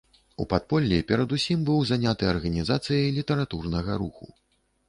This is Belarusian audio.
У падполлі перадусім быў заняты арганізацыяй літаратурнага руху.